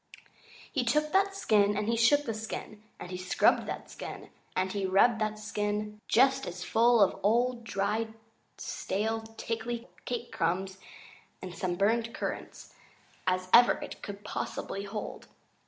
He took that skin, and he shook that skin, and he scrubbed that skin, and he rubbed that skin just as full of old, dry, stale, tickly cake crumbs and some burned currants as ever it could possibly hold.